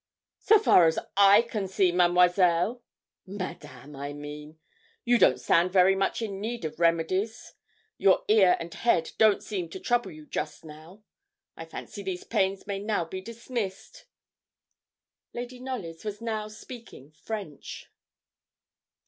'So far as I can see, Mademoiselle Madame, I mean you don't stand very much in need of remedies. Your ear and head don't seem to trouble you just now. I fancy these pains may now be dismissed.' Lady Knollys was now speaking French.